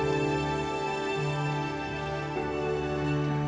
orang yang milik mereka ini